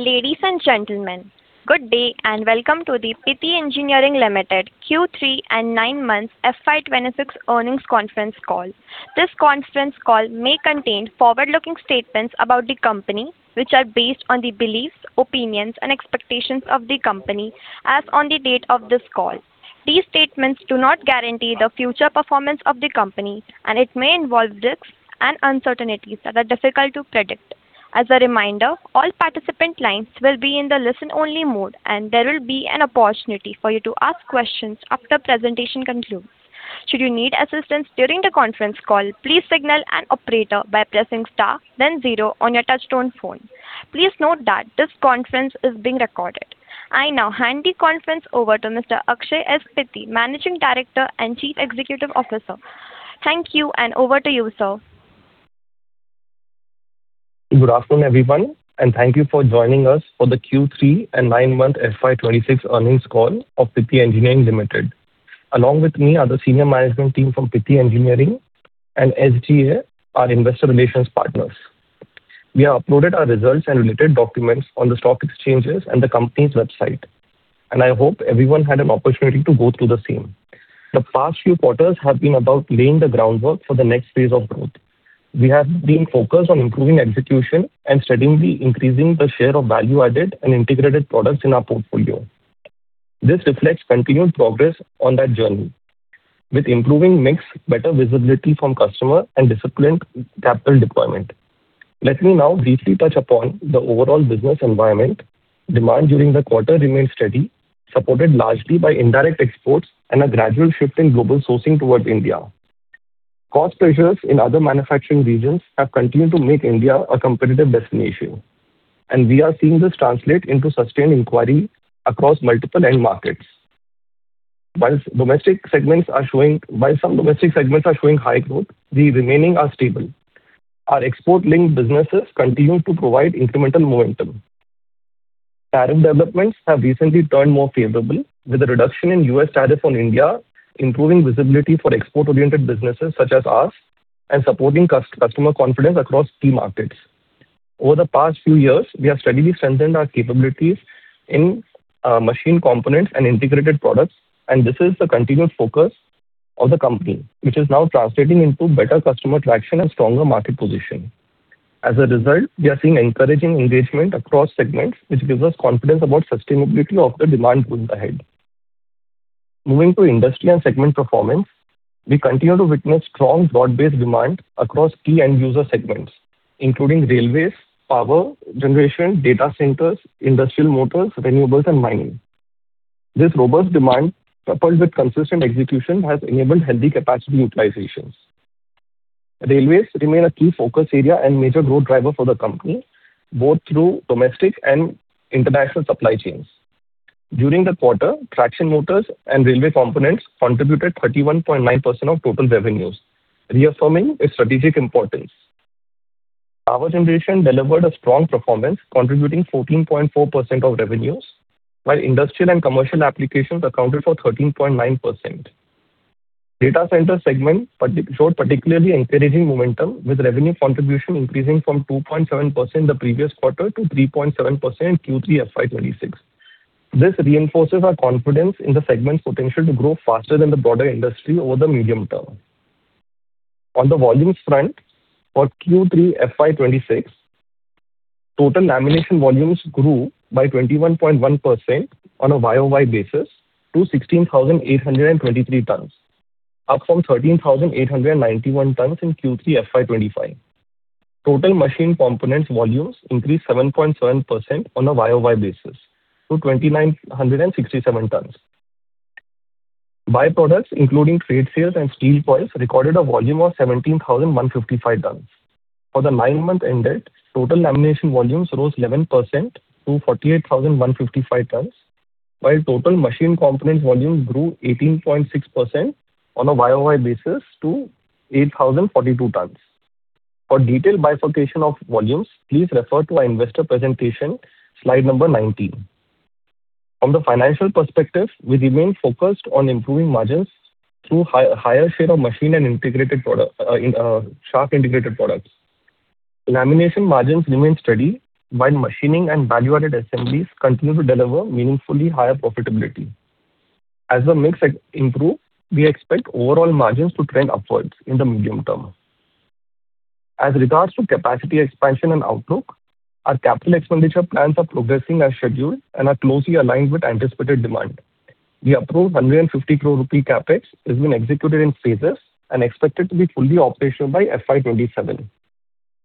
Ladies and gentlemen, good day and welcome to the Pitti Engineering Limited Q3 and 9 months FY26 earnings conference call. This conference call may contain forward-looking statements about the company, which are based on the beliefs, opinions, and expectations of the company as on the date of this call. These statements do not guarantee the future performance of the company, and it may involve risks and uncertainties that are difficult to predict. As a reminder, all participant lines will be in the listen-only mode, and there will be an opportunity for you to ask questions after presentation concludes. Should you need assistance during the conference call, please signal an operator by pressing star, then zero on your touch-tone phone. Please note that this conference is being recorded. I now hand the conference over to Mr. Akshay S. Pitti, Managing Director and Chief Executive Officer. Thank you, and over to you, sir. Good afternoon, everyone, and thank you for joining us for the Q3 and nine months FY26 earnings call of Pitti Engineering Limited. Along with me are the senior management team from Pitti Engineering, and SGA are investor relations partners. We have uploaded our results and related documents on the stock exchanges and the company's website, and I hope everyone had an opportunity to go through the same. The past few quarters have been about laying the groundwork for the next phase of growth. We have been focused on improving execution and steadily increasing the share of value-added and integrated products in our portfolio. This reflects continued progress on that journey, with improving mix, better visibility from customers and disciplined capital deployment. Let me now briefly touch upon the overall business environment. Demand during the quarter remained steady, supported largely by indirect exports and a gradual shift in global sourcing towards India. Cost pressures in other manufacturing regions have continued to make India a competitive destination, and we are seeing this translate into sustained inquiry across multiple end markets. While some domestic segments are showing high growth, the remaining are stable. Our export-linked businesses continue to provide incremental momentum. Tariff developments have recently turned more favorable, with a reduction in U.S. tariffs on India improving visibility for export-oriented businesses such as ours and supporting customer confidence across key markets. Over the past few years, we have steadily strengthened our capabilities in machine components and integrated products, and this is the continued focus of the company, which is now translating into better customer traction and stronger market position. As a result, we are seeing encouraging engagement across segments, which gives us confidence about sustainability of the demand going ahead. Moving to industry and segment performance, we continue to witness strong broad-based demand across key end-user segments, including railways, power generation, data centers, industrial motors, renewables, and mining. This robust demand, coupled with consistent execution, has enabled healthy capacity utilizations. Railways remain a key focus area and major growth driver for the company, both through domestic and international supply chains. During the quarter, traction motors and railway components contributed 31.9% of total revenues, reaffirming its strategic importance. Power generation delivered a strong performance, contributing 14.4% of revenues, while industrial and commercial applications accounted for 13.9%. Data center segments showed particularly encouraging momentum, with revenue contribution increasing from 2.7% the previous quarter to 3.7% Q3 FY 2026. This reinforces our confidence in the segment's potential to grow faster than the broader industry over the medium term. On the volumes front, for Q3 FY26, total lamination volumes grew by 21.1% on a YOY basis to 16,823 tons, up from 13,891 tons in Q3 FY25. Total machine components volumes increased 7.7% on a YOY basis to 2,967 tons. Byproducts, including trade sales and steel coils, recorded a volume of 17,155 tons. For the 9-month ended, total lamination volumes rose 11% to 48,155 tons, while total machine components volumes grew 18.6% on a YOY basis to 8,042 tons. For detailed bifurcation of volumes, please refer to our investor presentation, slide number 19. From the financial perspective, we remain focused on improving margins through a higher share of shaft-integrated products. Lamination margins remain steady, while machining and value-added assemblies continue to deliver meaningfully higher profitability. As the mix improves, we expect overall margins to trend upwards in the medium term. As regards to capacity expansion and outlook, our capital expenditure plans are progressing as scheduled and are closely aligned with anticipated demand. The approved 150 crore rupee Capex has been executed in phases and expected to be fully operational by FY2027,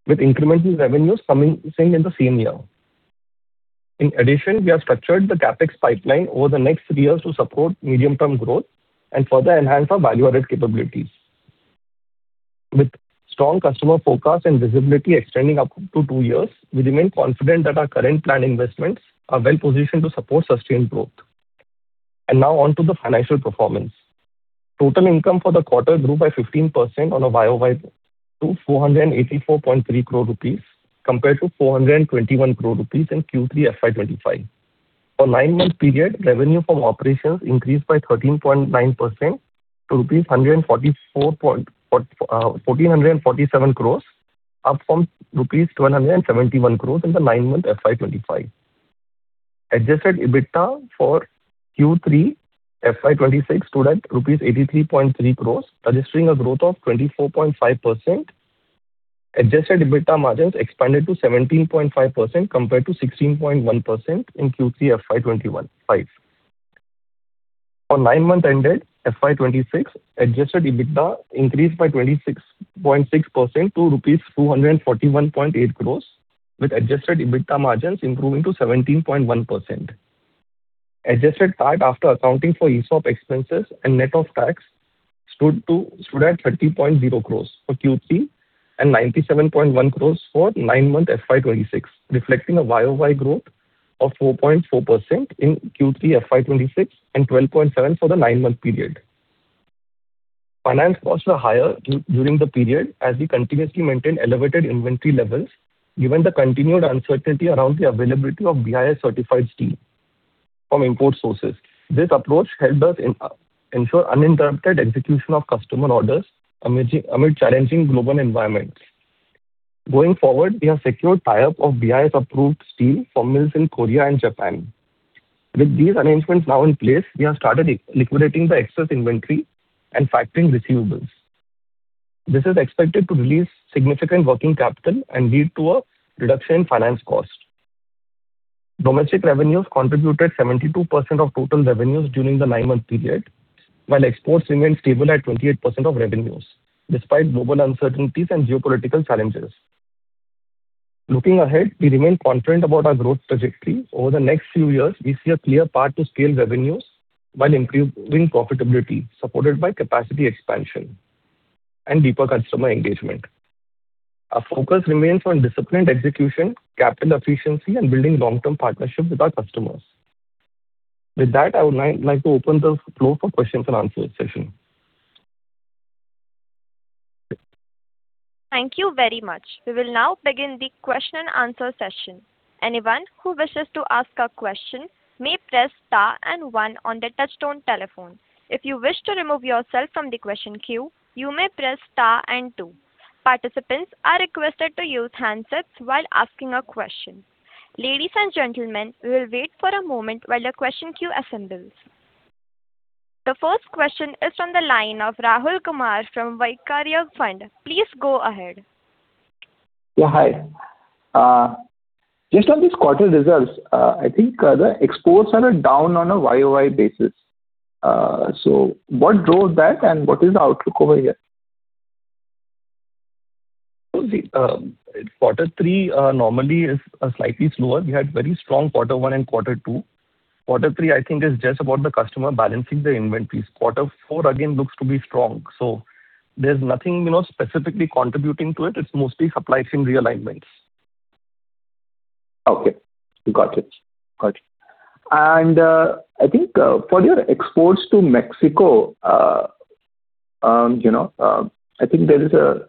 with incremental revenues coming in the same year. In addition, we have structured the Capex pipeline over the next three years to support medium-term growth and further enhance our value-added capabilities. With strong customer focus and visibility extending up to two years, we remain confident that our current plan investments are well-positioned to support sustained growth. Now onto the financial performance. Total income for the quarter grew by 15% on a YOY to 484.3 crore rupees, compared to 421 crore rupees in Q3 FY2025. For the 9-month period, revenue from operations increased by 13.9% to rupees 1,447 crore, up from rupees 1,271 crore in the 9-month FY25. Adjusted EBITDA for Q3 FY26 stood at INR 83.3 crore, registering a growth of 24.5%. Adjusted EBITDA margins expanded to 17.5%, compared to 16.1% in Q3 FY25. For the 9-month ended FY26, adjusted EBITDA increased by 26.6% to rupees 241.8 crore, with adjusted EBITDA margins improving to 17.1%. Adjusted PAT, after accounting for ESOP expenses and net of tax, stood at 30.0 crore for Q3 and 97.1 crore for the 9-month FY26, reflecting a YOY growth of 4.4% in Q3 FY26 and 12.7% for the 9-month period. Finance costs were higher during the period as we continuously maintained elevated inventory levels, given the continued uncertainty around the availability of BIS-certified steel from import sources. This approach helped us ensure uninterrupted execution of customer orders amid challenging global environments. Going forward, we have secured tie-up of BIS-certified steel from mills in Korea and Japan. With these arrangements now in place, we have started liquidating the excess inventory and factoring receivables. This is expected to release significant working capital and lead to a reduction in finance costs. Domestic revenues contributed 72% of total revenues during the 9-month period, while exports remained stable at 28% of revenues, despite global uncertainties and geopolitical challenges. Looking ahead, we remain confident about our growth trajectory. Over the next few years, we see a clear path to scale revenues while improving profitability, supported by capacity expansion and deeper customer engagement. Our focus remains on disciplined execution, capital efficiency, and building long-term partnerships with our customers. With that, I would like to open the floor for a questions and answers session. Thank you very much. We will now begin the question and answer session. Anyone who wishes to ask a question may press star and one on their touch-tone telephone. If you wish to remove yourself from the question queue, you may press star and two. Participants are requested to use handsets while asking a question. Ladies and gentlemen, we will wait for a moment while the question queue assembles. The first question is from the line of Rahul Kumar from Vaikarya Fund. Please go ahead. Yeah, hi. Just on these quarter results, I think the exports are down on a YOY basis. So what drove that, and what is the outlook over here? Quarter three normally is slightly slower. We had very strong quarter one and quarter two. Quarter three, I think, is just about the customer balancing their inventories. Quarter four, again, looks to be strong. So there's nothing specifically contributing to it. It's mostly supply chain realignments. Okay, got it. Got it. I think for your exports to Mexico, I think there is a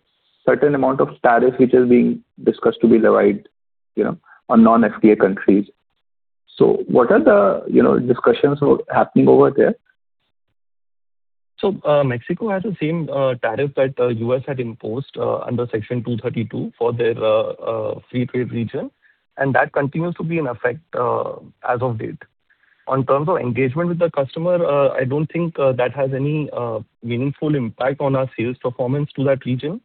certain amount of tariff which is being discussed to be levied on non-FTA countries. What are the discussions happening over there? So Mexico has the same tariff that the U.S. had imposed under Section 232 for their free trade region, and that continues to be in effect as of date. On terms of engagement with the customer, I don't think that has any meaningful impact on our sales performance to that region.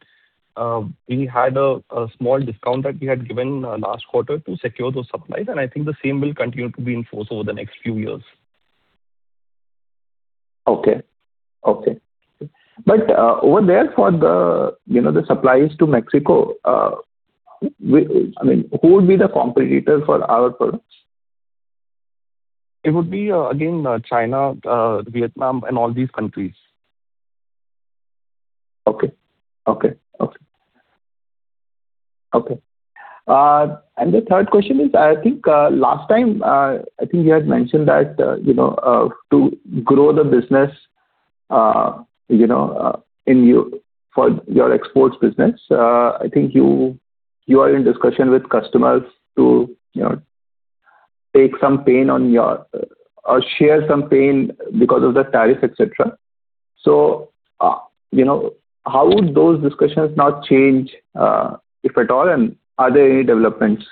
We had a small discount that we had given last quarter to secure those supplies, and I think the same will continue to be enforced over the next few years. Okay, okay. But over there, for the supplies to Mexico, who would be the competitor for our products? It would be, again, China, Vietnam, and all these countries. Okay. The third question is, I think last time, I think you had mentioned that to grow the business for your exports business, I think you are in discussion with customers to take some pain on your or share some pain because of the tariffs, etc. So how would those discussions now change, if at all, and are there any developments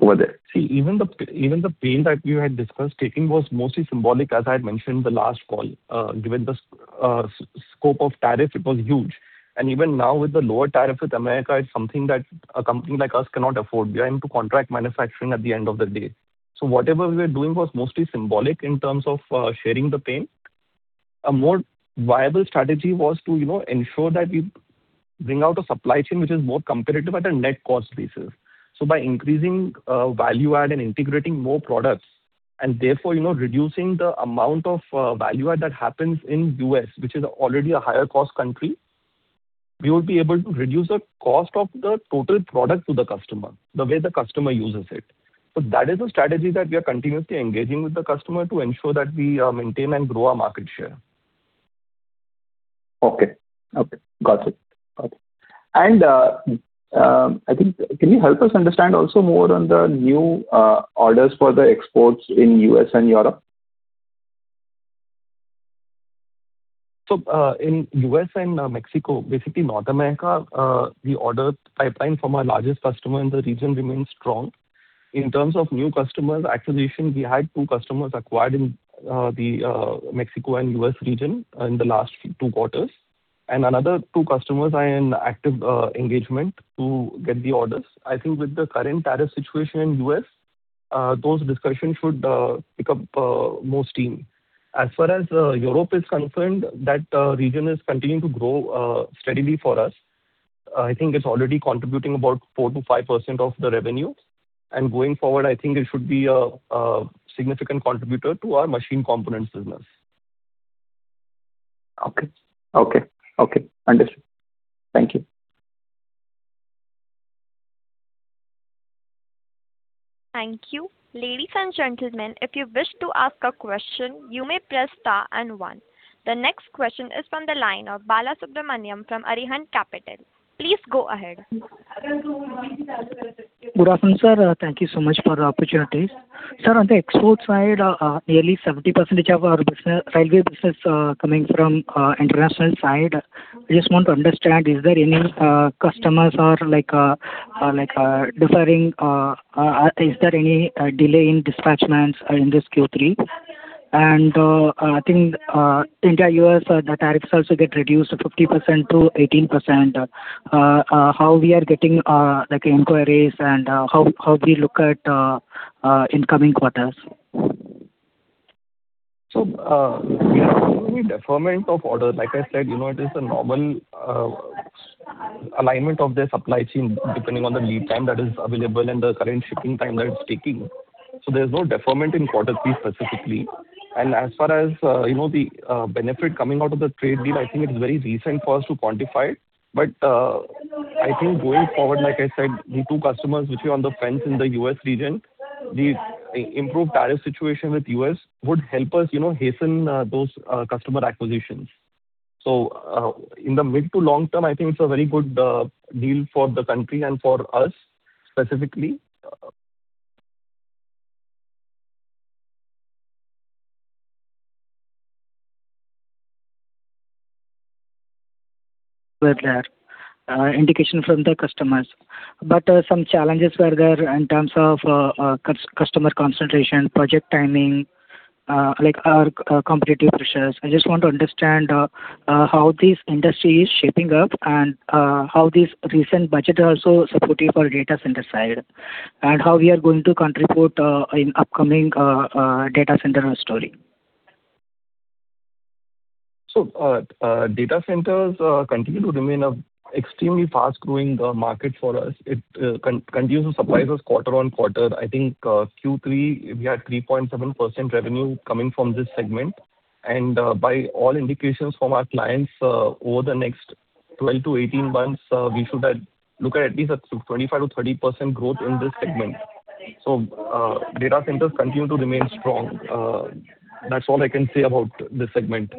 over there? See, even the pain that we had discussed taking was mostly symbolic, as I had mentioned the last call. Given the scope of tariff, it was huge. Even now, with the lower tariffs with America, it's something that a company like us cannot afford. We are into contract manufacturing at the end of the day. So whatever we were doing was mostly symbolic in terms of sharing the pain. A more viable strategy was to ensure that we bring out a supply chain which is more competitive at a net cost basis. So by increasing value-add and integrating more products, and therefore reducing the amount of value-add that happens in the US, which is already a higher-cost country, we would be able to reduce the cost of the total product to the customer, the way the customer uses it. That is a strategy that we are continuously engaging with the customer to ensure that we maintain and grow our market share. Okay, okay, got it, got it. And I think, can you help us understand also more on the new orders for the exports in the US and Europe? So in the US and Mexico, basically North America, the order pipeline from our largest customer in the region remains strong. In terms of new customer acquisition, we had two customers acquired in the Mexico and US region in the last two quarters, and another two customers are in active engagement to get the orders. I think with the current tariff situation in the US, those discussions should pick up more steam. As far as Europe is concerned, that region is continuing to grow steadily for us. I think it's already contributing about 4%-5% of the revenue. Going forward, I think it should be a significant contributor to our machine components business. Okay, okay, okay. Understood. Thank you. Thank you. Ladies and gentlemen, if you wish to ask a question, you may press star and one. The next question is from the line of Balasubramanian from Arihant Capital. Please go ahead. Pranam, sir, thank you so much for the opportunity. Sir, on the export side, nearly 70% of our railway business is coming from the international side. I just want to understand, is there any customers deferring? Is there any delay in dispatches in this Q3? I think India-U.S. tariffs also get reduced to 50%-18%. How are we getting inquiries and how do we look at incoming quarters? So we have only deferment of orders. Like I said, it is a normal alignment of the supply chain depending on the lead time that is available and the current shipping time that it's taking. So there's no deferment in quarter three specifically. And as far as the benefit coming out of the trade deal, I think it's very recent for us to quantify it. But I think going forward, like I said, the two customers which are on the fence in the U.S. region, the improved tariff situation with the U.S. would help us hasten those customer acquisitions. So in the mid to long term, I think it's a very good deal for the country and for us specifically. Very clear. Indication from the customers. But some challenges were there in terms of customer concentration, project timing, or competitive pressures. I just want to understand how this industry is shaping up and how this recent budget is also supportive for data center side and how we are going to contribute in the upcoming data center story. So data centers continue to remain an extremely fast-growing market for us. It continues to surprise us quarter on quarter. I think Q3, we had 3.7% revenue coming from this segment. And by all indications from our clients, over the next 12 to 18 months, we should look at at least a 25%-30% growth in this segment. So data centers continue to remain strong. That's all I can say about this segment.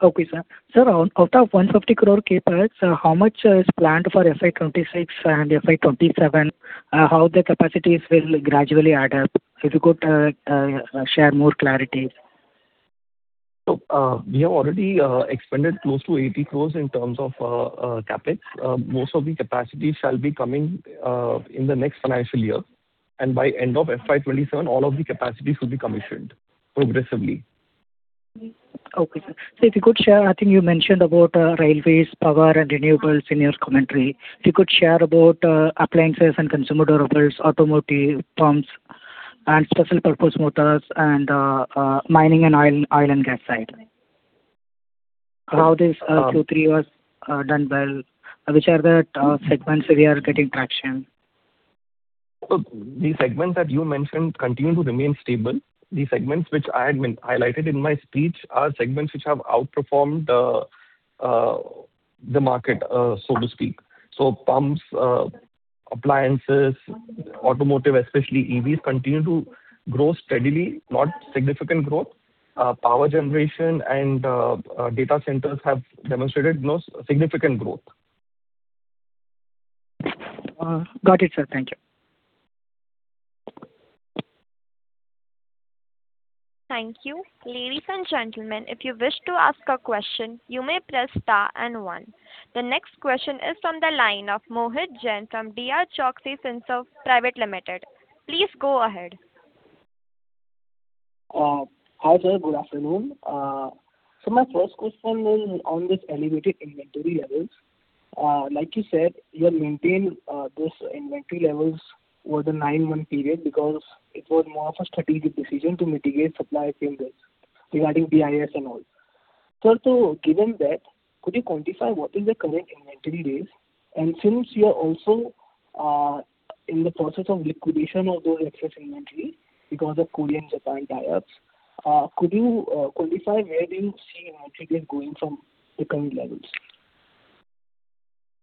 Okay, sir. Sir, out of 150 crore CapEx, how much is planned for FY26 and FY27? How the capacities will gradually add up? If you could share more clarity. We have already expended close to 80 crore in terms of CapEx. Most of the capacity shall be coming in the next financial year. By the end of FY27, all of the capacity should be commissioned progressively. Okay, sir. So if you could share, I think you mentioned about railways, power, and renewables in your commentary. If you could share about appliances and consumer durables, automotive pumps, and special-purpose motors, and mining and oil and gas side. How this Q3 was done well, which are the segments we are getting traction? The segments that you mentioned continue to remain stable. The segments which I had highlighted in my speech are segments which have outperformed the market, so to speak. So pumps, appliances, automotive, especially EVs, continue to grow steadily, not significant growth. Power generation and data centers have demonstrated significant growth. Got it, sir. Thank you. Thank you. Ladies and gentlemen, if you wish to ask a question, you may press star and one. The next question is from the line of Mohit Jain from DR Choksey Finserv Private Limited. Please go ahead. Hi, sir. Good afternoon. My first question is on these elevated inventory levels. Like you said, you have maintained those inventory levels over the FY21 period because it was more of a strategic decision to mitigate supply chain risks regarding BIS and all. Sir, so given that, could you quantify what is the current inventory base? And since you are also in the process of liquidation of those excess inventories because of Korea and Japan tie-ups, could you quantify where do you see inventory base going from the current levels?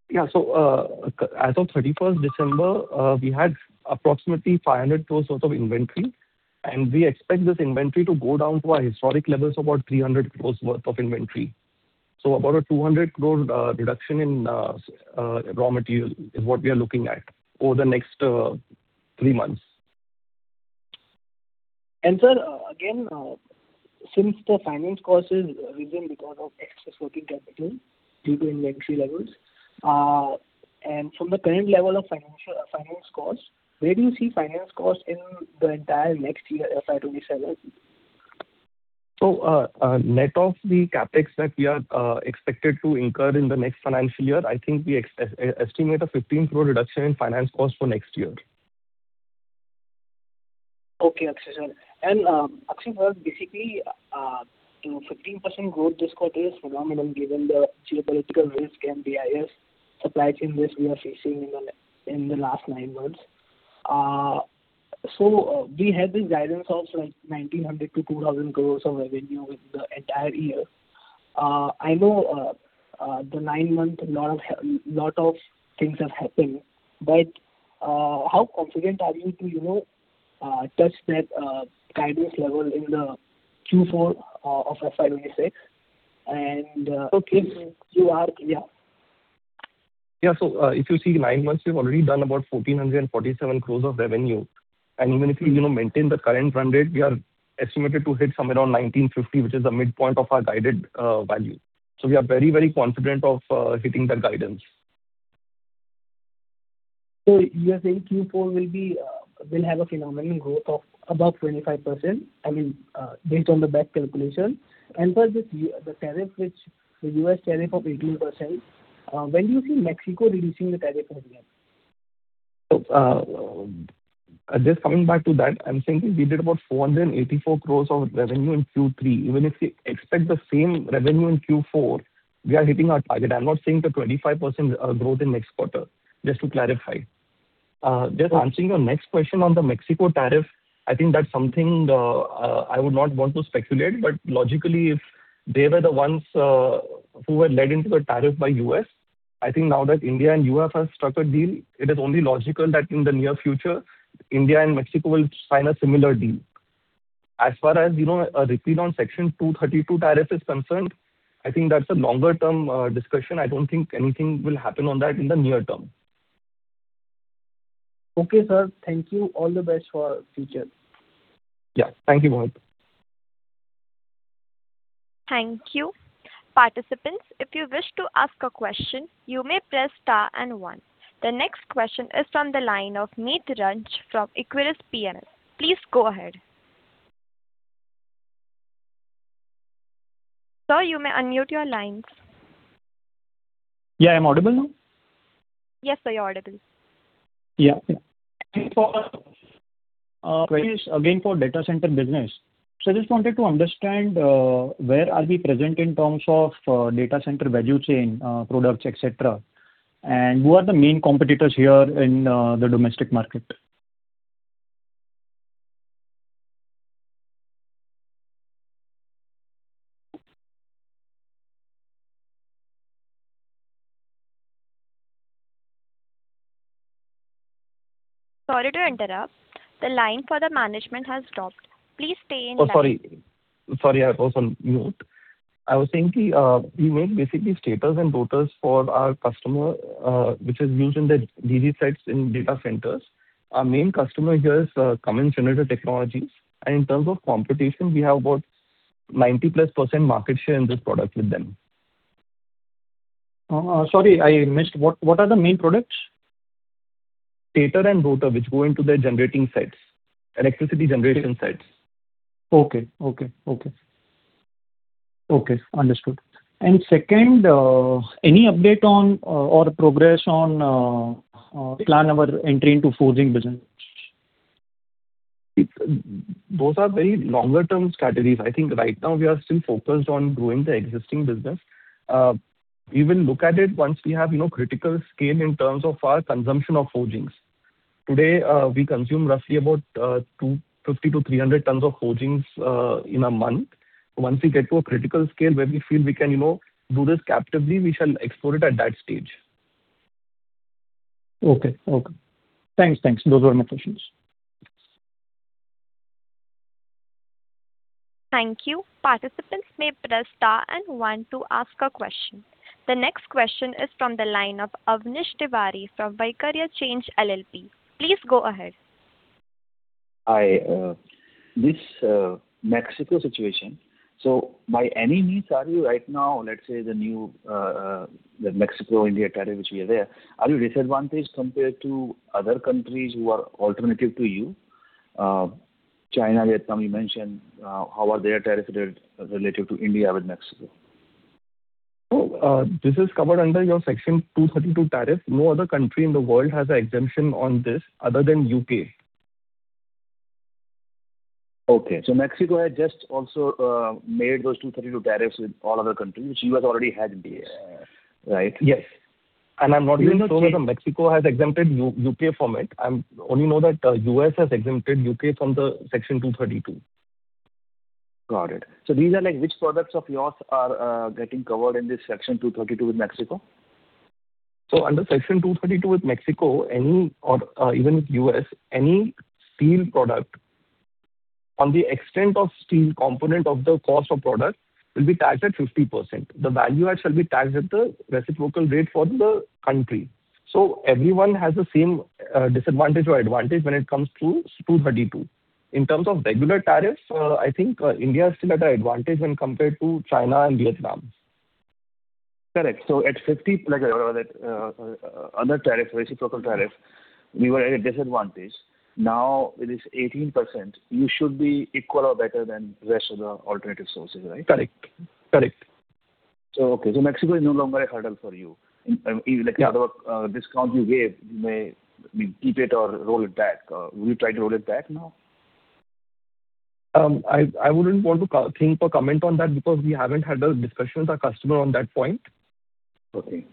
Yeah. So as of 31st December, we had approximately 500 crore worth of inventory, and we expect this inventory to go down to our historic levels of about 300 crore worth of inventory. So about a 200 crore reduction in raw material is what we are looking at over the next three months. And sir, again, since the finance cost is risen because of excess working capital due to inventory levels, and from the current level of finance cost, where do you see finance cost in the entire next year, FY27? Net of the CapEx that we are expected to incur in the next financial year, I think we estimate a 15 crore reduction in finance cost for next year. Okay, Akshay sir. And Akshay sir, basically, the 15% growth this quarter is phenomenal given the geopolitical risk and BIS supply chain risk we are facing in the last nine months. So we had this guidance of 1,900 crore-2,000 crore of revenue within the entire year. I know the nine-month lot of things have happened, but how confident are you to touch that guidance level in the Q4 of FY26? And if you are yeah. Yeah. So if you see nine months, we have already done about 1,447 crores of revenue. Even if we maintain the current run rate, we are estimated to hit somewhere around 1,950, which is the midpoint of our guided value. We are very, very confident of hitting that guidance. You are saying Q4 will have a phenomenal growth of above 25%, I mean, based on the back calculations. Sir, the U.S. tariff of 18%, when do you see Mexico reducing the tariff over there? So just coming back to that, I'm saying we did about 484 crore of revenue in Q3. Even if we expect the same revenue in Q4, we are hitting our target. I'm not saying the 25% growth in next quarter, just to clarify. Just answering your next question on the Mexico tariff, I think that's something I would not want to speculate. But logically, if they were the ones who were led into the tariff by the U.S., I think now that India and the EU have struck a deal, it is only logical that in the near future, India and Mexico will sign a similar deal. As far as a repeat on Section 232 tariff is concerned, I think that's a longer-term discussion. I don't think anything will happen on that in the near term. Okay, sir. Thank you. All the best for the future. Yeah. Thank you very much. Thank you. Participants, if you wish to ask a question, you may press star and one. The next question is from the line of Meet Rachchh from Equirus PMS. Please go ahead. Sir, you may unmute your lines. Yeah. Am I audible now? Yes, sir. You're audible. Yeah. Yeah. Again, for data center business, sir, I just wanted to understand where are we present in terms of data center value chain, products, etc., and who are the main competitors here in the domestic market? Sorry to interrupt. The line for the management has dropped. Please stay in line. Oh, sorry. Sorry, I was on mute. I was saying we make basically stator and rotor laminations for our customer, which is used in the DG sets in data centers. Our main customer here is Cummins Generator Technologies. In terms of competition, we have about 90+% market share in this product with them. Sorry, I missed. What are the main products? Stator and rotor, which go into the generating sites, electricity generation sites. Okay, okay, okay. Okay, understood. And second, any update or progress on the plan of entry into forging business? Those are very longer-term strategies. I think right now, we are still focused on growing the existing business. We will look at it once we have critical scale in terms of our consumption of forgings. Today, we consume roughly about 50-300 tons of forgings in a month. Once we get to a critical scale where we feel we can do this captively, we shall explore it at that stage. Okay, okay. Thanks, thanks. Those were my questions. Thank you. Participants may press star and one to ask a question. The next question is from the line of Avnish Tiwari from Vaikarya Change LLP. Please go ahead. Hi. This Mexico situation, so by any means, are you right now, let's say, the new Mexico-India tariff, which we are there, are you disadvantaged compared to other countries who are alternative to you? China, Vietnam, you mentioned. How are their tariffs relative to India with Mexico? This is covered under your Section 232 tariff. No other country in the world has an exemption on this other than the U.K. Okay. So Mexico has just also made those 232 tariffs with all other countries, which the U.S. already had in the U.S., right? Yes. And I'm not even sure whether Mexico has exempted the U.K. from it. I only know that the U.S. has exempted the U.K. from Section 232. Got it. So which products of yours are getting covered in this Section 232 with Mexico? So under Section 232 with Mexico, even with the U.S., any steel product, on the extent of the steel component of the cost of the product, will be taxed at 50%. The value add shall be taxed at the reciprocal rate for the country. So everyone has the same disadvantage or advantage when it comes to 232. In terms of regular tariffs, I think India is still at an advantage when compared to China and Vietnam. Correct. So at 50%, like other tariffs, reciprocal tariffs, we were at a disadvantage. Now, with this 18%, you should be equal or better than the rest of the alternative sources, right? Correct. Correct. Okay. So Mexico is no longer a hurdle for you. In other words, the discount you gave, you may keep it or roll it back. Will you try to roll it back now? I wouldn't want to think or comment on that because we haven't had a discussion with our customer on that point. Okay.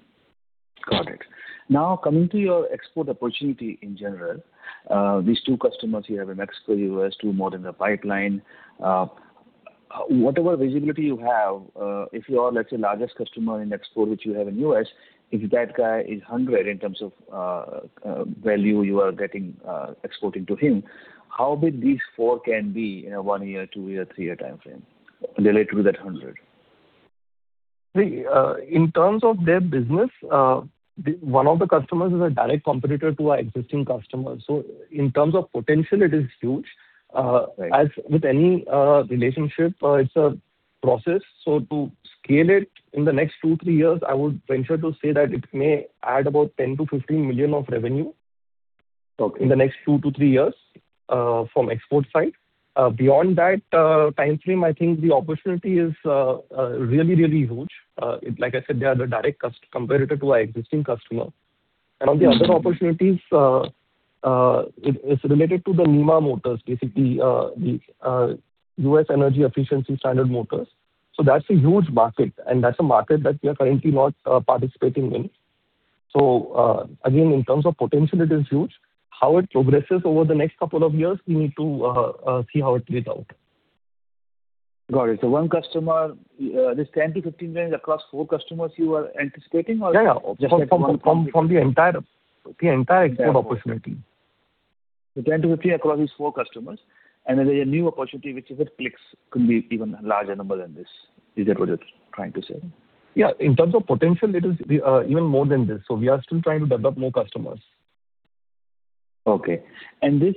Got it. Now, coming to your export opportunity in general, these 2 customers here have in Mexico, the US, 2 more in the pipeline. Whatever visibility you have, if you are, let's say, the largest customer in export which you have in the US, if that guy is 100 in terms of value you are exporting to him, how big these 4 can be in a 1-year, 2-year, 3-year time frame related to that 100? See, in terms of their business, one of the customers is a direct competitor to our existing customers. So in terms of potential, it is huge. As with any relationship, it's a process. So to scale it in the next 2-3 years, I would venture to say that it may add about 10 million-15 million of revenue in the next 2-3 years from the export side. Beyond that time frame, I think the opportunity is really, really huge. Like I said, they are the direct competitor to our existing customer. And on the other opportunities, it's related to the NEMA Motors, basically the U.S. Energy Efficiency Standard Motors. So that's a huge market, and that's a market that we are currently not participating in. So again, in terms of potential, it is huge. How it progresses over the next couple of years, we need to see how it plays out. Got it. So one customer, this 10 million-15 million is across four customers you are anticipating, or just from the entire? From the entire export opportunity. So, 10-15 across these four customers. And then there's a new opportunity, which if it clicks, could be even a larger number than this. Is that what you're trying to say? Yeah. In terms of potential, it is even more than this. So we are still trying to develop more customers. Okay. And this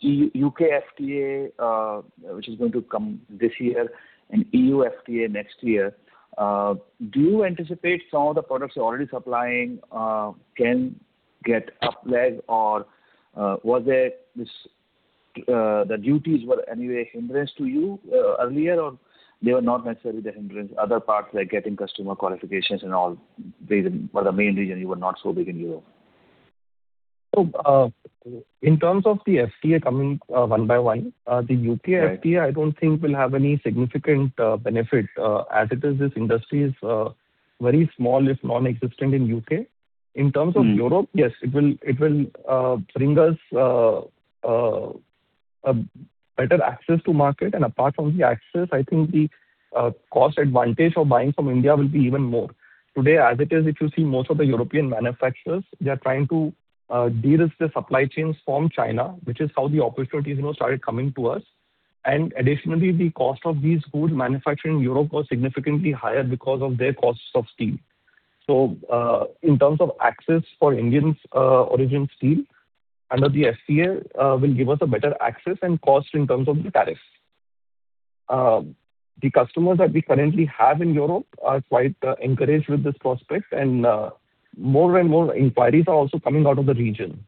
U.K. FTA, which is going to come this year and EU FTA next year, do you anticipate some of the products you're already supplying can get uplegged, or were the duties anyway a hindrance to you earlier, or they were not necessarily the hindrance? Other parts like getting customer qualifications and all were the main reason you were not so big in Europe? So, in terms of the FTA coming one by one, the U.K. FTA, I don't think will have any significant benefit as it is; this industry is very small, if non-existent, in the U.K.. In terms of Europe, yes, it will bring us better access to the market. And apart from the access, I think the cost advantage of buying from India will be even more. Today, as it is, if you see most of the European manufacturers, they are trying to de-risk their supply chains from China, which is how the opportunities started coming to us. And additionally, the cost of these goods manufactured in Europe was significantly higher because of their costs of steel. So, in terms of access for Indian-origin steel, under the FTA, it will give us a better access and cost in terms of the tariffs. The customers that we currently have in Europe are quite encouraged with this prospect, and more and more inquiries are also coming out of the region.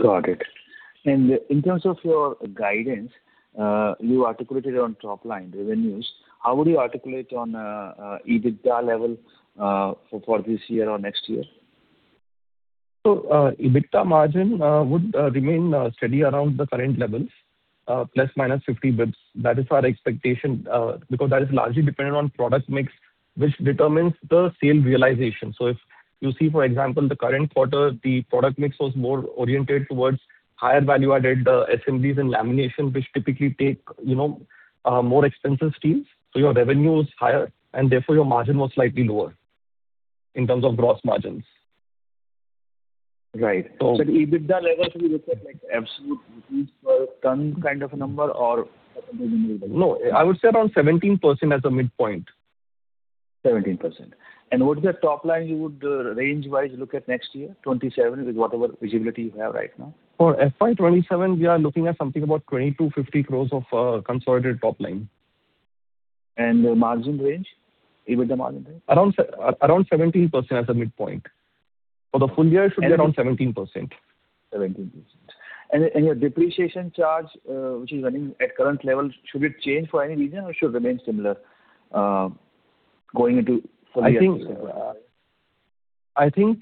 Got it. In terms of your guidance, you articulated on top-line revenues. How would you articulate on EBITDA level for this year or next year? So EBITDA margin would remain steady around the current levels, ±50 basis points. That is our expectation because that is largely dependent on the product mix, which determines the sale realization. So if you see, for example, the current quarter, the product mix was more oriented towards higher value-added assemblies and lamination, which typically take more expensive steels, so your revenue is higher, and therefore, your margin was slightly lower in terms of gross margins. Right. So at EBITDA level, should we look at absolute revenues per ton kind of a number, or percentage in revenue? No, I would say around 17% as a midpoint. 17%. What's the top-line you would range-wise look at next year, 27 with whatever visibility you have right now? For FY27, we are looking at something about 2,250 crores of consolidated top-line. The margin range, EBITDA margin range? Around 17% as a midpoint. For the full year, it should be around 17%. 17%. Your depreciation charge, which is running at current level, should it change for any reason, or should it remain similar going into full year? I think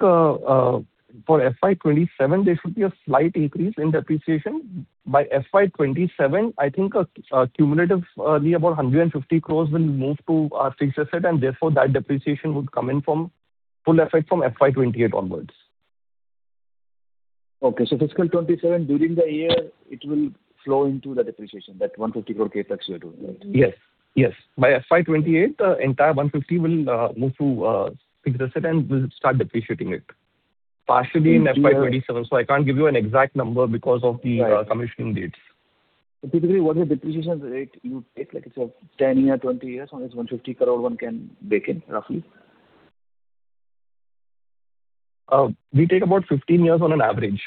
for FY27, there should be a slight increase in depreciation. By FY27, I think a cumulative of only about 150 crore will move to our fixed asset, and therefore, that depreciation would come in full effect from FY28 onwards. Okay. So fiscal 2027, during the year, it will flow into the depreciation, that 150 crore CapEx you're doing, right? Yes. Yes. By FY28, the entire 150 will move to fixed asset and will start depreciating it partially in FY27. So I can't give you an exact number because of the commissioning dates. So typically, what's the depreciation rate you take? It's 10 years, 20 years. On this 150 crore one, can break in roughly? We take about 15 years on an average.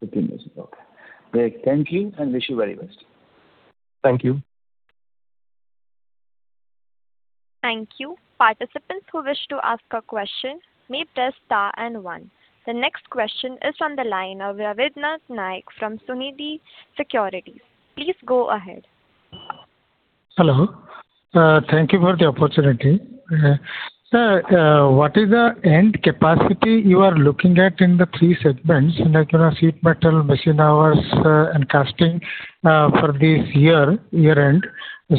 15 years. Okay. Great. Thank you, and wish you very best. Thank you. Thank you. Participants who wish to ask a question may press star and one. The next question is from the line of Rabindranath Nayak from Sunidhi Securities. Please go ahead. Hello. Thank you for the opportunity. Sir, what is the end capacity you are looking at in the three segments, like sheet metal, machine hours, and casting for this year-end?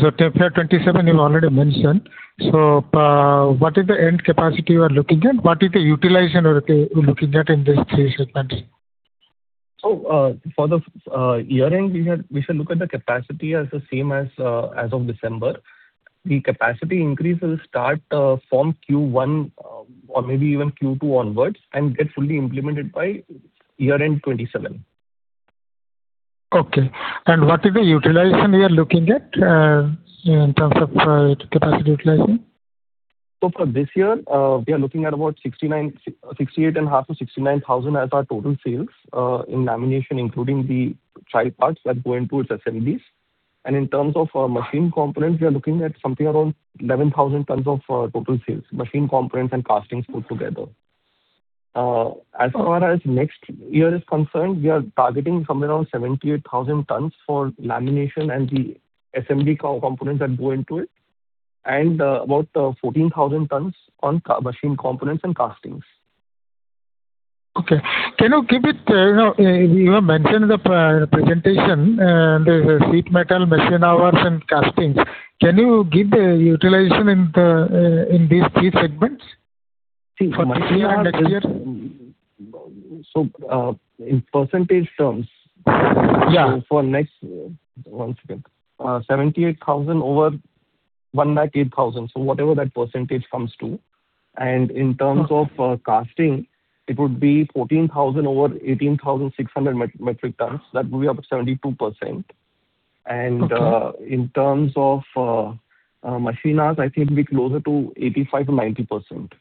FY27, you've already mentioned. What is the end capacity you are looking at? What is the utilization you're looking at in these three segments? For the year-end, we should look at the capacity as the same as of December. The capacity increase will start from Q1 or maybe even Q2 onwards and get fully implemented by year-end 2027. Okay. And what is the utilization you are looking at in terms of capacity utilizing? For this year, we are looking at about 68,500-69,000 as our total sales in lamination, including the child parts that go into its assemblies. In terms of machine components, we are looking at something around 11,000 tons of total sales, machine components and castings put together. As far as next year is concerned, we are targeting somewhere around 78,000 tons for lamination and the assembly components that go into it, and about 14,000 tons on machine components and castings. Okay. Can you give it? You have mentioned in the presentation the sheet metal, machine hours, and castings. Can you give the utilization in these three segments for this year and next year? In percentage terms, so for next one second, 78,000 over 108,000, so whatever that percentage comes to. In terms of casting, it would be 14,000 over 18,600 metric tons. That would be up to 72%. In terms of machines, I think it would be closer to 85%-90%.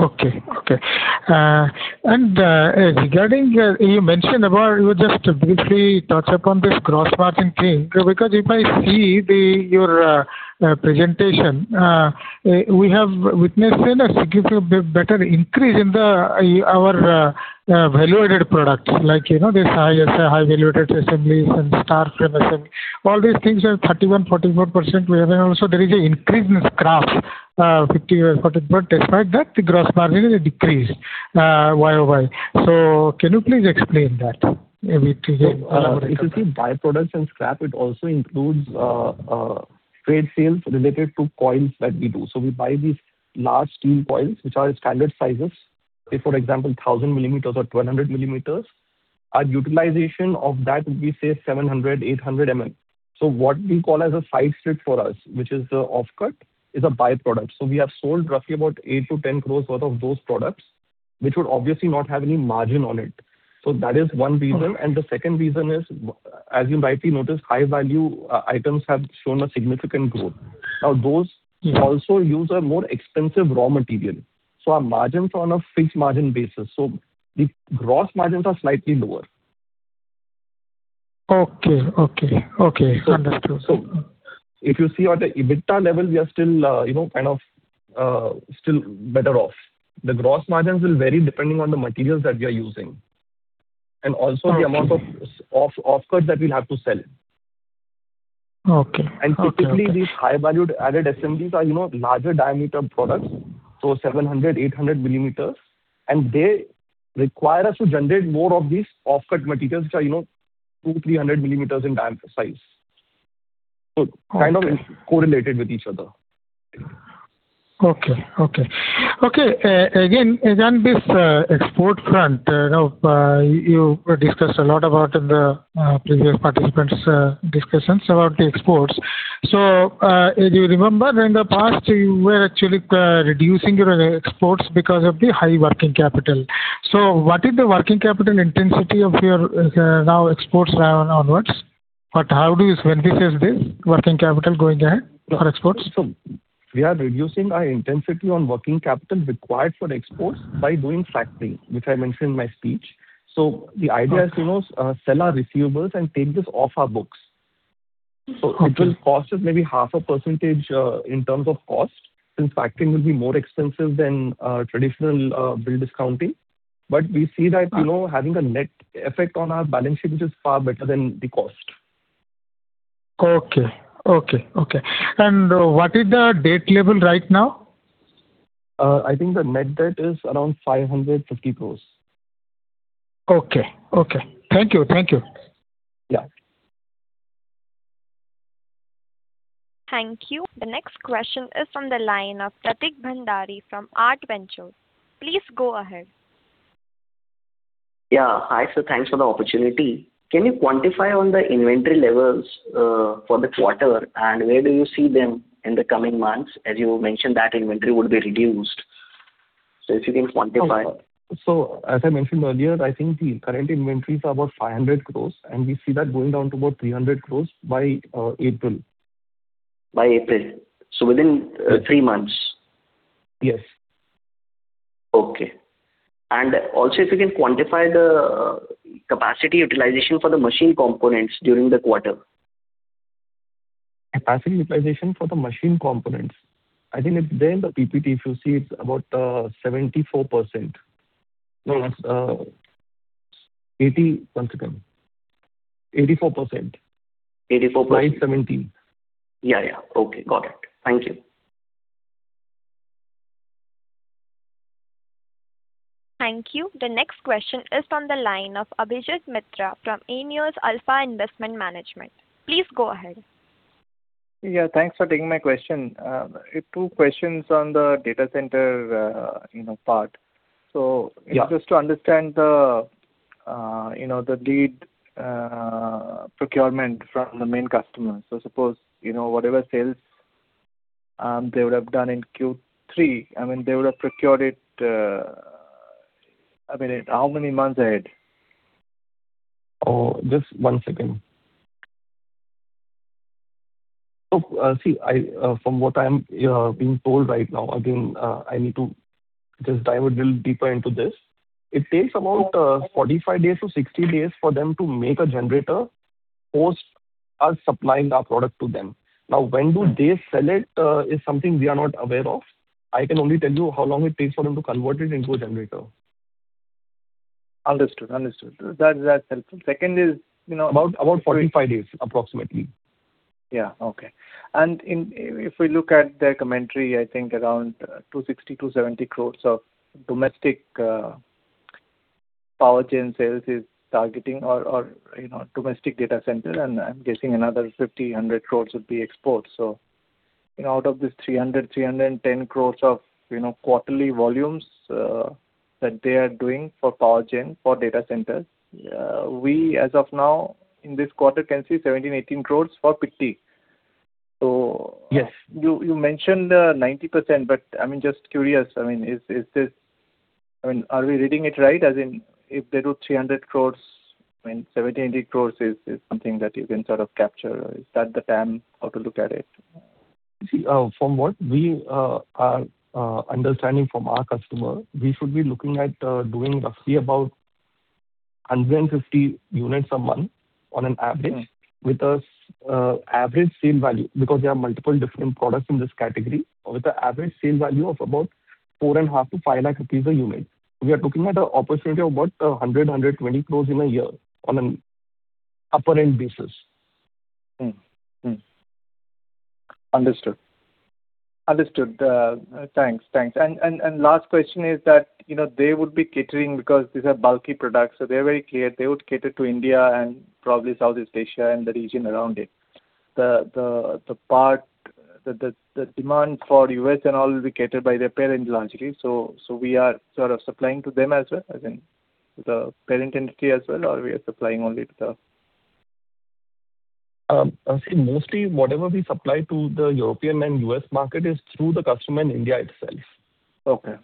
Okay. Okay. Regarding you mentioned about you just briefly touched upon this gross margin thing because if I see your presentation, we have witnessed a significantly better increase in our value-added products, like these high-value-added assemblies and stator-frame assemblies. All these things are 31%-44%. And also, there is an increase in scrap, 50% or 40%. Despite that, the gross margin has decreased year by year. So can you please explain that a bit again? So this is a byproduct from scrap. It also includes trade sales related to coils that we do. So we buy these large steel coils, which are standard sizes. For example, 1,000 millimeters or 1,200 millimeters. Our utilization of that would be, say, 700-800. So what we call as a side strip for us, which is the off-cut, is a byproduct. So we have sold roughly about 8 crore-10 crore worth of those products, which would obviously not have any margin on it. So that is one reason. And the second reason is, as you rightly noticed, high-value items have shown a significant growth. Now, those also use a more expensive raw material. So our margins are on a fixed margin basis. So the gross margins are slightly lower. Okay. Okay. Okay. Understood. So if you see at the EBITDA level, we are still kind of better off. The gross margins will vary depending on the materials that we are using and also the amount of off-cuts that we'll have to sell. Typically, these high value-added assemblies are larger diameter products, so 700-800 millimeters. And they require us to generate more of these off-cut materials, which are 2,300 millimeters in size, so kind of correlated with each other. Again, on this export front, you discussed a lot about in the previous participants' discussions about the exports. So if you remember, in the past, you were actually reducing your exports because of the high working capital. So what is the working capital intensity of your now exports onwards? But when we say this, working capital going ahead for exports? So we are reducing our intensity on working capital required for exports by doing factoring, which I mentioned in my speech. So the idea is sell our receivables and take this off our books. So it will cost us maybe 0.5% in terms of cost since factoring will be more expensive than traditional bill discounting. But we see that having a net effect on our balance sheet, which is far better than the cost. Okay. Okay. Okay. And what is the debt level right now? I think the net debt is around 550 crore. Okay. Okay. Thank you. Thank you. Yeah. Thank you. The next question is from the line of Prateek Bhandari from Aart Ventures. Please go ahead. Yeah. Hi. So thanks for the opportunity. Can you quantify the inventory levels for the quarter, and where do you see them in the coming months? As you mentioned, that inventory would be reduced. So if you can quantify? As I mentioned earlier, I think the current inventory is about 500 crore, and we see that going down to about 300 crore by April. By April. So within three months? Yes. Okay. And also, if you can quantify the capacity utilization for the machine components during the quarter? Capacity utilization for the machine components, I think it's there in the PPT. If you see, it's about 74%. No, that's 80, one second. 84%. 84 percent? By '17. Yeah. Yeah. Okay. Got it. Thank you. Thank you. The next question is from the line of Abhijit Mitra from Aionios Alpha Investment Management. Please go ahead. Yeah. Thanks for taking my question. Two questions on the data center part. So just to understand the lead procurement from the main customers. So suppose whatever sales they would have done in Q3, I mean, they would have procured it, I mean, how many months ahead? Oh, just one second. So see, from what I'm being told right now, again, I need to just dive a little deeper into this. It takes about 45-60 days for them to make a generator, post us supplying our product to them. Now, when do they sell it is something we are not aware of. I can only tell you how long it takes for them to convert it into a generator. Understood. Understood. That's helpful. Second is. About 45 days, approximately. Yeah. Okay. And if we look at the commentary, I think around 260-270 crores of domestic PowerGen sales is targeting or domestic data center. And I'm guessing another 50-100 crores would be exports. So out of this 300-310 crores of quarterly volumes that they are doing for PowerGen for data centers, we, as of now, in this quarter, can see 17-18 crores for PTI. So you mentioned 90%, but I mean, just curious, I mean, is this I mean, are we reading it right? As in if they do 300 crores, I mean, 17-18 crores is something that you can sort of capture? Is that the TAM how to look at it? See, from what we are understanding from our customer, we should be looking at doing roughly about 150 units a month on an average with an average sale value because there are multiple different products in this category with an average sale value of about 4.5-5 lakh rupees a unit. We are looking at an opportunity of about 100-120 crore in a year on an upper-end basis. Understood. Understood. Thanks. Thanks. And last question is that they would be catering because these are bulky products. So they're very clear. They would cater to India and probably Southeast Asia and the region around it. The demand for U.S. and all will be catered by their parent largely. So we are sort of supplying to them as well, as in the parent industry as well, or we are supplying only to the. I would say mostly whatever we supply to the European and US market is through the customer in India itself. Okay.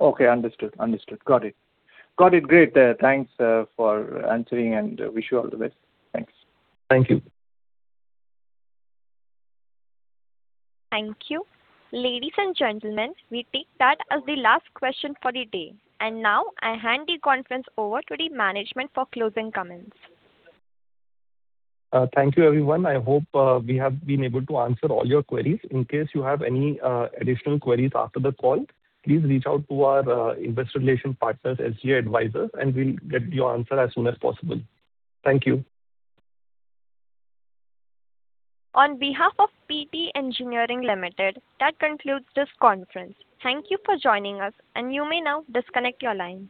Okay. Understood. Understood. Got it. Got it. Great. Thanks for answering, and wish you all the best. Thanks. Thank you. Thank you. Ladies and gentlemen, we take that as the last question for the day. Now, I hand the conference over to the management for closing comments. Thank you, everyone. I hope we have been able to answer all your queries. In case you have any additional queries after the call, please reach out to our investor relations partners, SG Advisors, and we'll get your answer as soon as possible. Thank you. On behalf of Pitti Engineering Limited, that concludes this conference. Thank you for joining us, and you may now disconnect your line.